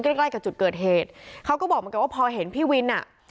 ใกล้ใกล้กับจุดเกิดเหตุเขาก็บอกว่าพอเห็นพี่วิน